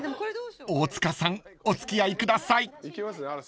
［大塚さんお付き合いください］